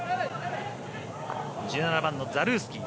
１７番のザルースキー。